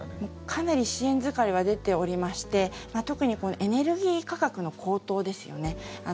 かなり支援疲れは出ておりまして特にエネルギー価格の高騰ですよね。